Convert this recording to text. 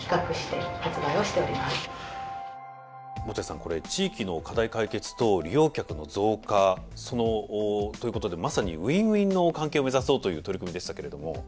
藻谷さんこれ地域の課題解決と利用客の増加ということでまさにウィンウィンの関係を目指そうという取り組みでしたけれども。